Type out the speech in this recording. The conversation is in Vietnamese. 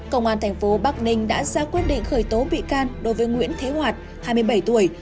công an tp bắc ninh đã ra quyết định khởi tố bị can đối với nguyễn thế hoạt hai mươi bảy tuổi